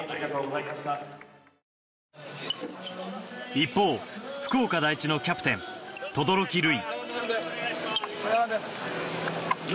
一方、福岡第一のキャプテン轟琉維。